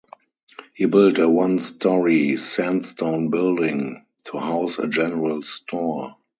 He built a one-story sandstone building to house a general store.